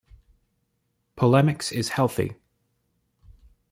Polemics is healthy.